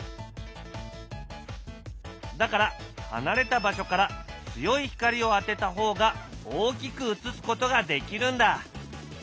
だから離れた場所から強い光を当てた方が大きく映すことができるんだ！